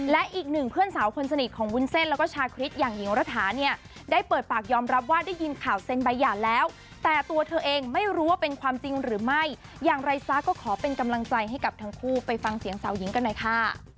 และอีกหนึ่งเพื่อนสาวคนสนิทของวุ้นเส้นแล้วก็ชาคริสอย่างหญิงรัฐาเนี่ยได้เปิดปากยอมรับว่าได้ยินข่าวเซ็นใบหย่าแล้วแต่ตัวเธอเองไม่รู้ว่าเป็นความจริงหรือไม่อย่างไรซะก็ขอเป็นกำลังใจให้กับทั้งคู่ไปฟังเสียงสาวหญิงกันหน่อยค่ะ